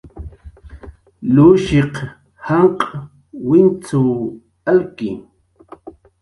Lushiq janq' wincxw alki